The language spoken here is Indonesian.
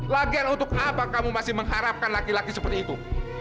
lagian untuk apa kamu masih mengharapkan laki laki seperti itu